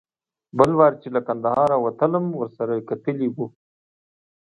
بل وار چې له کندهاره وتلم ورسره کتلي و.